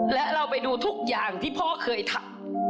และเราไปดูทุกอย่างที่พ่อเคยทำ